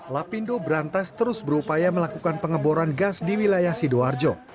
lapindo berantas terus berupaya melakukan pengeboran gas di wilayah sidoarjo